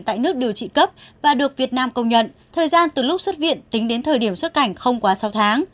tại nước điều trị cấp và được việt nam công nhận thời gian từ lúc xuất viện tính đến thời điểm xuất cảnh không quá sáu tháng